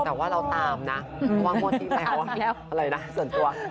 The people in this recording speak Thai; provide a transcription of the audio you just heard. แต่ว่าเราตามนะว่างว่าที่แล้วอะไรนะส่วนตัว